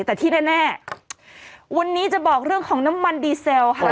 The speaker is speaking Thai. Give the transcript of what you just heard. แต่ที่แน่วันนี้จะบอกเรื่องของน้ำมันดีเซลค่ะ